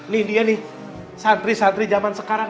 nih dia nih santri santri zaman sekarang